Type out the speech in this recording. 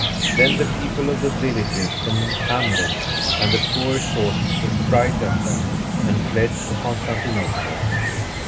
Then the people of the villages and hamlets and the poorer sort took fright at them; and fled to Constantinople.